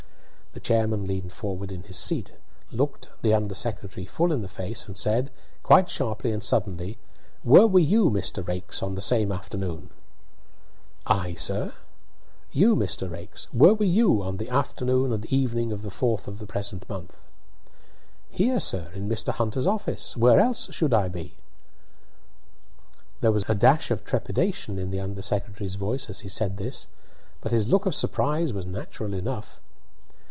The chairman leaned forward in his seat, looked the under secretary full in the face, and said, quite sharply and suddenly: "Where were you, Mr. Raikes, on the same afternoon?" "I, sir?" "You, Mr. Raikes. Where were you on the afternoon and evening of the 4th of the present month?" "Here, sir, in Mr. Hunter's office. Where else should I be?" There was a dash of trepidation in the under secretary's voice as he said this, but his look of surprise was natural enough.